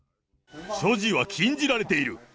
所持は禁じられている。